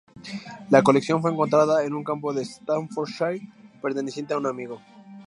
La colección fue encontrada en un campo de Staffordshire, perteneciente a un amigo.